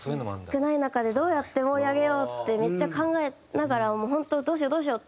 少ない中でどうやって盛り上げよう？ってめっちゃ考えながら本当どうしよう？